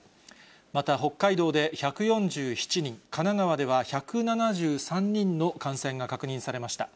また、北海道で１４７人、神奈川では１７３人の感染が確認されました。